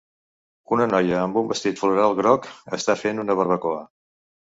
Una noia amb un vestit floral groc està fent una barbacoa.